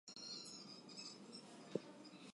Budgets for big parties were much tighter.